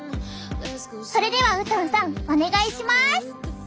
それではウトンさんお願いします。